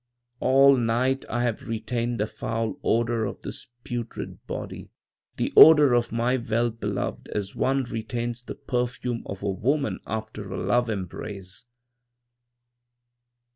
"All night I have retained the foul odor of this putrid body, the odor of my well beloved, as one retains the perfume of a woman after a love embrace.